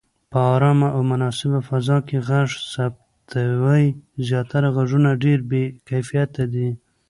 په آرامه او مناسبه فضا کې غږ ثبتوئ. زياتره غږونه ډېر بې کیفیته دي.